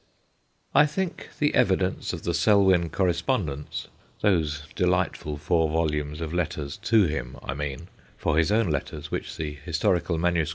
I think the evidence of the Selwyn cor respondence those delightful four volumes of letters to him, I mean ; for his own letters, which the Historical MSS.